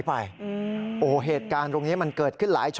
โทษทีโทษที